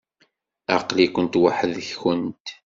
Aql-ikent weḥd-nkent?